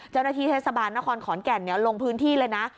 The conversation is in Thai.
เจ้าหน้าที่เทศบาลนครขอนแก่นลงพื้นที่เลยนะ